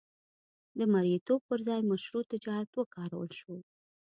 د مریتوب پر ځای مشروع تجارت وکارول شو.